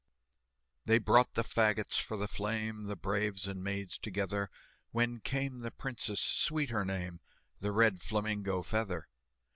They brought the fagots for the flame, The braves and maids together, When came the princess sweet her name: The Red Flamingo Feather.